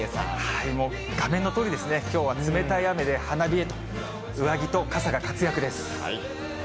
もう画面のとおりですね、きょうは冷たい雨で花冷えと、上着と傘が活躍です。